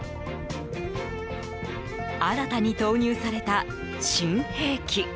新たに投入された新兵器。